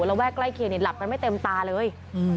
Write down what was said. ระแวกใกล้เคียงเนี่ยหลับกันไม่เต็มตาเลย